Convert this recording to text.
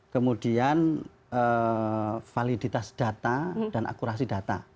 kemudian validitas data dan akurasi data